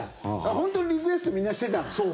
本当にリクエストみんなしてたの。